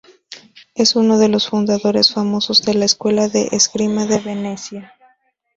Es uno de los fundadores famosos de la Escuela de Esgrima de Venecia.